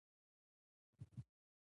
دوی په شدت سره د بې عدالتۍ احساس کوي.